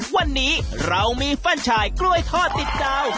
วันนี้เรามีแฟนชายกล้วยทอดติดกาว